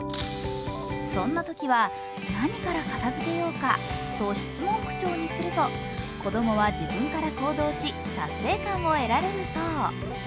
そんなときは「何から片付けようか？」と質問口調にすると子どもは自分から行動し、達成感を得られるんだそう。